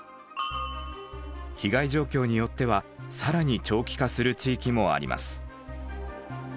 被害状況によっては更に長期化する地域もあります。